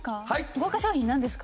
豪華賞品なんですか？